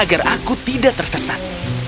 agar aku tidak tersesat